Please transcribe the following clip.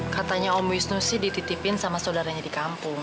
katanya om wisnu sih dititipin sama saudaranya di kampung